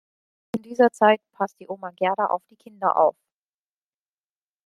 In dieser Zeit passt die Oma Gerda auf die Kinder auf.